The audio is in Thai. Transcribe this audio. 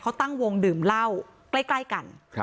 เขาตั้งวงดื่มเหล้าใกล้กัน